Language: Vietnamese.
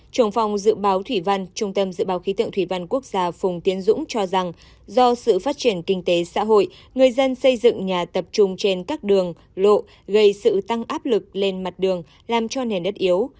trưởng phòng dự báo thủy văn trung tâm dự báo khí tượng thủy văn quốc gia phùng tiến dũng cho rằng do sự phát triển kinh tế xã hội người dân xây dựng nhà tập trung trên các đường lộ gây sự tăng áp lực lên mặt đường làm cho nền đất yếu